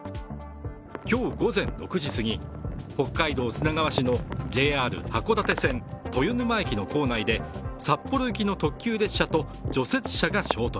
今日午前６時すぎ北海道砂川市のＪＲ函館線豊沼駅の構内で札幌行きの特急列車と除雪車が衝突。